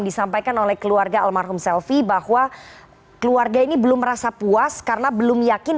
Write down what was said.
disampaikan oleh keluarga almarhum selfie bahwa keluarga ini belum merasa puas karena belum yakin